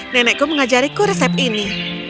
nenekku mengajariku resep ini